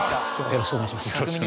よろしくお願いします。